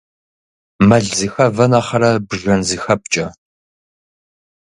Мэл зыхэвэ нэхърэ бжэн зыхэпкӏэ.